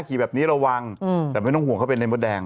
ขี่แบบนี้ระวังแต่ไม่ต้องห่วงเขาเป็นในมดแดง